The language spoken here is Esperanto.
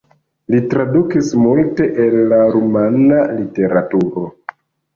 Li tradukis multe el la rumana literaturo.